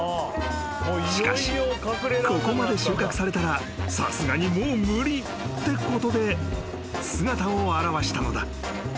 ［しかしここまで収穫されたらさすがにもう無理ってことで姿を現したのだ］